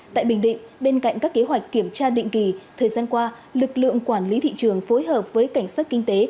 tại bình định bên cạnh các kế hoạch kiểm tra định kỳ thời gian qua lực lượng quản lý thị trường phối hợp với cảnh sát kinh tế